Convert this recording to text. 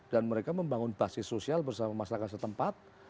dan mereka membangun basis sosial bersama masyarakat setempat